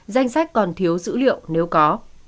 danh sách còn thiếu dữ liệu nếu có